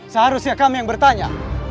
seharusnya kami yang bertanya